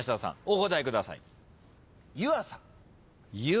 お答えください。